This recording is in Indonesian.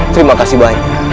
terima kasih banyak